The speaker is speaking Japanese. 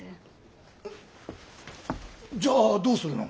じゃあどうするの？